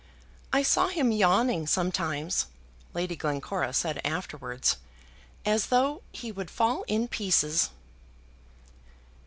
"I saw him yawning sometimes," Lady Glencora said afterwards, "as though he would fall in pieces."